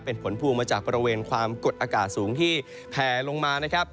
เป็นผลพวงมาจากบริเวณความกดอากาศสูงที่แผลลงมานะครับ